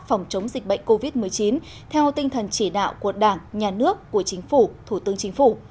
phòng chống dịch bệnh covid một mươi chín theo tinh thần chỉ đạo của đảng nhà nước của chính phủ thủ tướng chính phủ